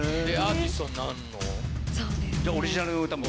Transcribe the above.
オリジナルの歌も？